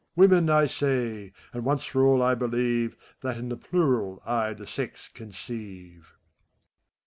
Women, I say; and, once for all, believe That in the plural I the sex conceive!